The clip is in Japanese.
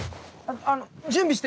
あの準備して！